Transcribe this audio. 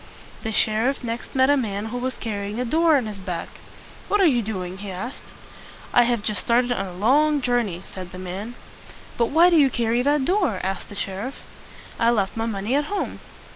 The sheriff next met a man who was carrying a door on his back. "What are you doing?" he asked. "I have just started on a long jour ney," said the man. "But why do you carry that door?" asked the sheriff. "I left my money at home."